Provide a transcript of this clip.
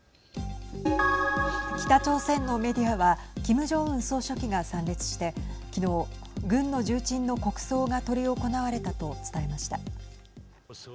北朝鮮のメディアはキム・ジョンウン総書記が参列してきのう、軍の重鎮の国葬が執り行われたと伝えました。